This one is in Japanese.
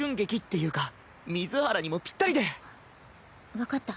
分かった。